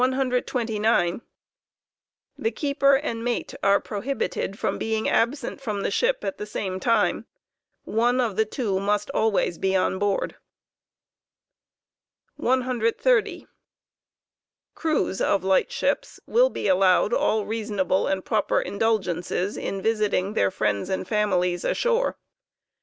pUpt * 129/ The keeper and mate are prohibited from being absent from the ship at the same time j one of Ihe two must always be on board. afw^u Uard 130. Crews of lightships will be allowed all reasonable and proper indulgences Regulations in visiting theit Mends and families ashore.